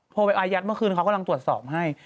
พอไปอายัดเมื่อคืนเขากำลังตรวจสอบให้